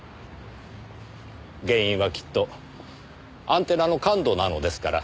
原因はきっとアンテナの感度なのですから。